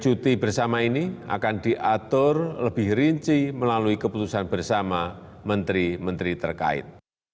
cuti bersama ini akan diatur lebih rinci melalui keputusan bersama menteri menteri terkait